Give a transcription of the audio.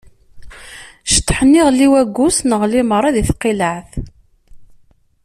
Ceṭḥen ifessi waggus, neγli meṛṛa di tqileԑt.